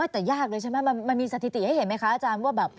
แต่ยากเลยใช่ไหมมันมีสถิติให้เห็นไหมคะอาจารย์ว่าแบบ